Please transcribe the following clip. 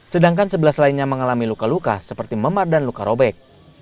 sedangkan sebelas lainnya mengalami luka luka seperti memar dan luka robek